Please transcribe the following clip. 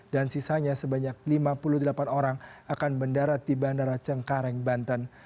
dan sisanya sebanyak lima puluh delapan orang akan mendarat di bandara cengkareng banten